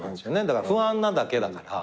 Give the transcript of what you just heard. だから不安なだけだから。